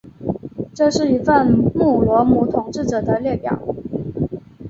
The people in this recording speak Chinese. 这是一份穆罗姆统治者的列表。